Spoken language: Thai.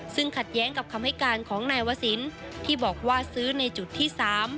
ซึ่งขัดแย้งกับคำให้การของนายวศิลป์ที่บอกว่าซื้อในจุดที่๓